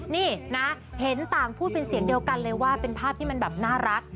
นี่นะเห็นต่างพูดเป็นเสียงเดียวกันเลยว่าเป็นภาพที่มันแบบน่ารัก